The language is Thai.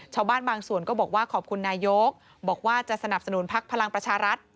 ชาวบ้านบางส่วนก็บอกว่าขอบคุณนายกบอกว่าจะสนับสนุนพักพลังประชารัฐ